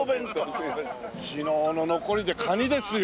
昨日の残りでカニですよ。